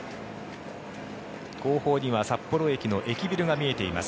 後方には札幌駅の駅ビルが見えています。